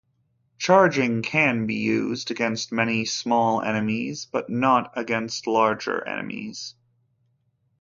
Charging can be used against many small enemies but not against larger enemies.